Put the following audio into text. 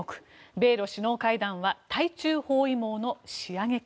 米ロ首脳会談は対中包囲網の仕上げか。